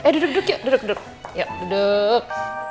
duduk yuk duduk